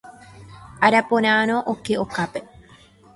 Araporãrõ oke okápe.